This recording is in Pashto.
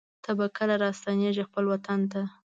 ته به کله راستنېږې خپل وطن ته